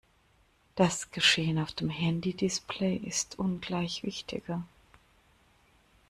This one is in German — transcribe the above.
Das Geschehen auf dem Handy-Display ist ungleich wichtiger.